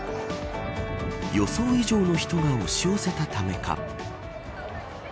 予想以上の人が押し寄せたためか。